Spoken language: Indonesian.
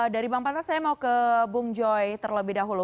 dari bang pantas saya mau ke bung joy terlebih dahulu